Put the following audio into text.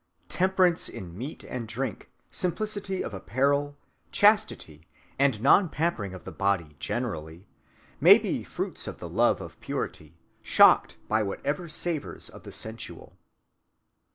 Temperance in meat and drink, simplicity of apparel, chastity, and non‐pampering of the body generally, may be fruits of the love of purity, shocked by whatever savors of the sensual.